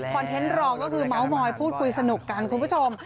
เทนต์รองก็คือเมาส์มอยพูดคุยสนุกกันคุณผู้ชม